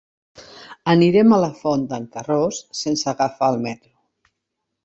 Anirem a la Font d'en Carròs sense agafar el metro.